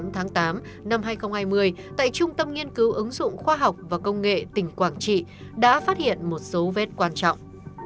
tám tháng tám năm hai nghìn hai mươi tại trung tâm nghiên cứu ứng dụng khoa học và công nghệ tỉnh quảng trị đã phát hiện một số vết quan trọng